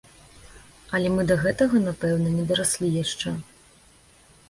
Але мы да гэтага, напэўна, не дараслі яшчэ.